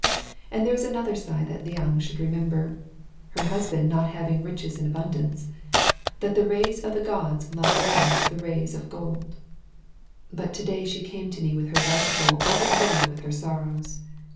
And there is another side that Liang should remember, her husband not having riches in abundance: that the rays of the Gods love well the rays of Gold. But to day she came to me with her rice bowl overflowing with her sorrows.